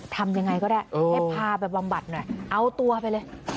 ทำยังไงก็ได้ให้พาไปบำบัดหน่อยเอาตัวไปเลย